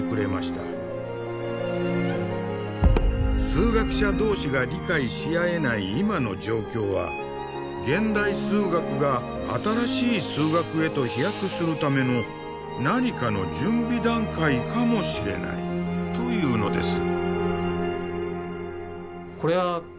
数学者同士が理解し合えない今の状況は現代数学が新しい数学へと飛躍するための何かの準備段階かもしれないというのです。